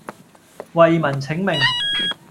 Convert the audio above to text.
為民請命